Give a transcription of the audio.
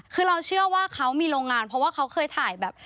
คือเราเชื่อว่าเขามีโรงงานเพราะว่าเขาเคยถ่ายแบบ